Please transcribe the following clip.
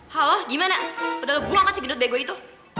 halo gimana padahal lo buang kan si gendut bego itu